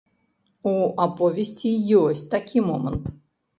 У аповесці ёсць такі момант.